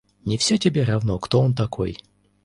Не все тебе равно, кто он такой?